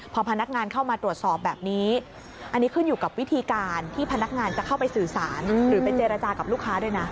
พอพนักงานเข้ามาตรวจสอบแบบนี้อันนี้ขึ้นอยู่กับวิธีการที่พนักงานจะเข้าไปสื่อสารหรือไปเจรจากับลูกค้าด้วยนะ